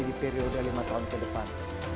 di periode lima tahun ke depan